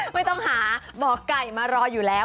ไม่ต้องหาหมอไก่มารออยู่แล้ว